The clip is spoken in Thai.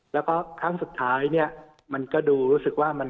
แล้วก็ครั้งสุดท้ายเนี่ยมันก็ดูรู้สึกว่ามัน